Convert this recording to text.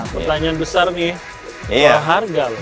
nah pertanyaan besar nih apa harga